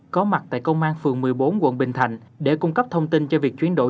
có mặt tại công an phường một mươi bốn quận bình thạnh để cung cấp thông tin cho việc chuyển đổi